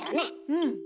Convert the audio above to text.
うん。